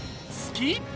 好き？